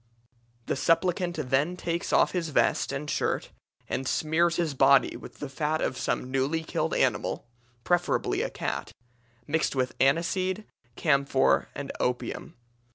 The supplicant then takes off his vest and shirt and smears his body with the fat of some newly killed animal (preferably a cat), mixed with aniseed, camphor, and opium.